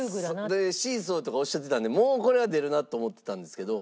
でシーソーとかおっしゃってたのでもうこれは出るなと思ってたんですけど。